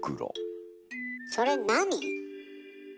それ何？